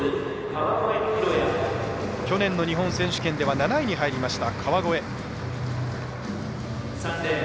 去年の日本選手権では７位に入りました、川越。